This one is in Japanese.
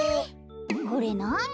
これなに？